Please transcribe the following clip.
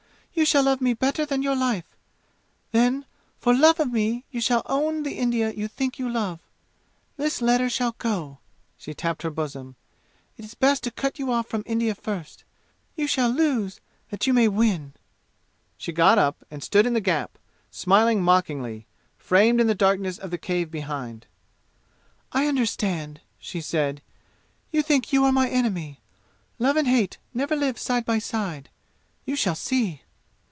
You shall love me better than your life! Then, for love of me, you shall own the India you think you love! This letter shall go!" She tapped her bosom. "It is best to cut you off from India first. You shall lose that you may win!" She got up and stood in the gap, smiling mockingly, framed in the darkness of the cave behind. "I understand!" she said. "You think you are my enemy. Love and hate never lived side by side. You shall see!"